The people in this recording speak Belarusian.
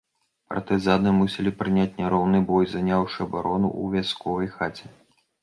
Партызаны мусілі прыняць няроўны бой, заняўшы абарону ў вясковай хаце.